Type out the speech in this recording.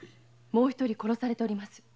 もう一人殺されております。